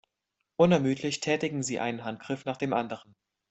Unermüdlich tätigen sie einen Handgriff nach dem anderen.